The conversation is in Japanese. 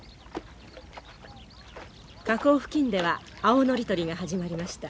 河口付近では青ノリ採りが始まりました。